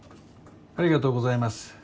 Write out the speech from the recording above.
ありがとうございます。